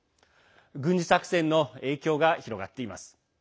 軍事作戦の影響が広がっています。